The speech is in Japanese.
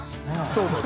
そうそう。